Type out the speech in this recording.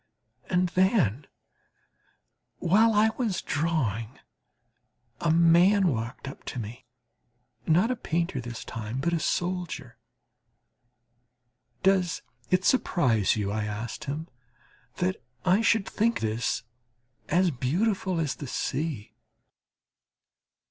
And then, while I was drawing, a man walked up to me not a painter this time, but a soldier. "Does it surprise you," I asked him, "that I should think this as beautiful as the sea?"